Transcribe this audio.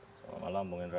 selamat malam bung indra